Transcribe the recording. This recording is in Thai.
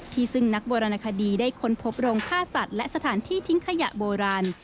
ซึ่งนักโบราณคดีได้ค้นพบโรงฆ่าสัตว์และสถานที่ทิ้งขยะโบราณ